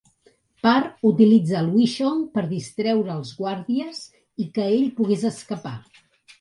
Par utilitza el Wishsong per distreure els guàrdies i que ell pogués escapar.